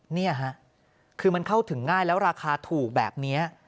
นี่ฮะคือมันเข้าถึงง่ายแล้วราคาถูกแบบนี้